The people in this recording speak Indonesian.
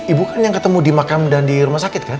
ibu kan yang ketemu di makam dan di rumah sakit kan